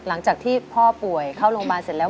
หลังจากที่พ่อป่วยเข้าโรงพยาบาลเสร็จแล้ว